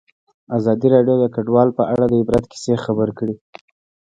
ازادي راډیو د کډوال په اړه د عبرت کیسې خبر کړي.